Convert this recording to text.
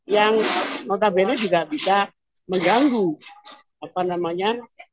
yang notabene juga bisa mengganggu apa namanya